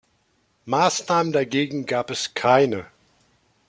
Maßnahmen dagegen gab es keine.